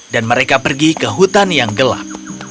dan mereka pergi ke hutan yang gelap